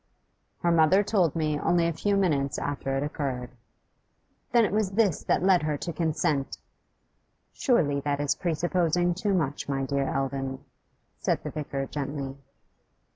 'Her mother told me, only a few minutes after it occurred.' 'Then it was this that led her to consent.' 'Surely that is presupposing too much, my dear Eldon,' said the vicar gently.